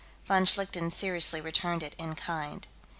Von Schlichten seriously returned it in kind.